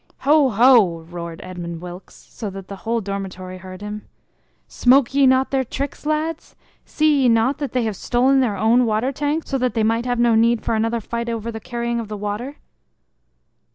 "Ho! ho!" roared Edmund Wilkes, so that the whole dormitory heard him, "smoke ye not their tricks, lads? See ye not that they have stolen their own water tank, so that they might have no need for another fight over the carrying of the water?"